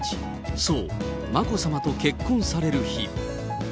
そう、眞子さまと結婚される日。